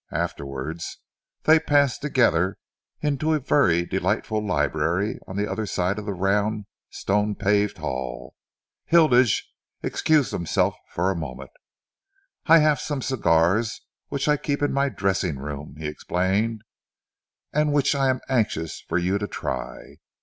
Afterwards, they passed together into a very delightful library on the other side of the round, stone paved hall. Hilditch excused himself for a moment. "I have some cigars which I keep in my dressing room," he explained, "and which I am anxious for you to try.